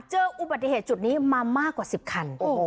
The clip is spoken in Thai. เจออุบัติเหตุจุดนี้มามากกว่า๑๐คัน